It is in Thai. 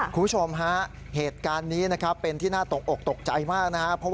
คุณผู้ชมฮะเหตุการณ์นี้นะครับเป็นที่น่าตกอกตกใจมากนะครับ